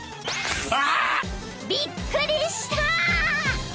［びっくりした］